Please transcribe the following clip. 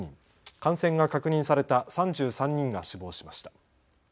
感染が確認された３３人が死亡しました。